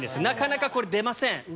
なかなかこれ出ません。